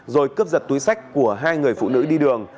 rồi cướp giật túi sách của hai người phụ nữ đi đường